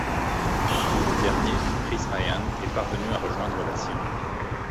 Le dernier, 'Chris Ryan', est parvenu à rejoindre la Syrie.